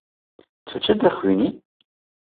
Tu çi dixwînî?